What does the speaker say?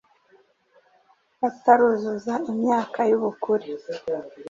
bataruzuza imyaka y’ubukure